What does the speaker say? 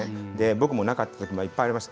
僕もなかったときもいっぱいあります。